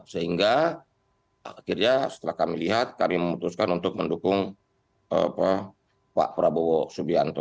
sehingga akhirnya setelah kami lihat kami memutuskan untuk mendukung pak prabowo subianto